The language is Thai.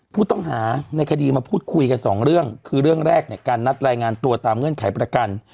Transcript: ผู้ต้องหาในคดีมาพูดคุยกันสองเรื่องคือเรื่องแรกเนี่ยการนัดรายงานตัวตามเงื่อนไขประกัน